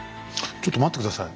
ちょっと待って下さい。